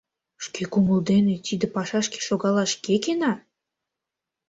Шке кумыл дене тиде пашашке шогалаш кӧ кӧна?